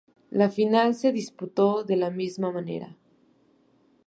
La final se disputó de la misma manera.